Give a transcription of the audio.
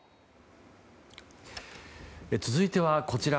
続いては、こちら。